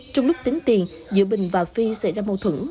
trong lúc tính tiền giữa bình và phi xảy ra mâu thuẫn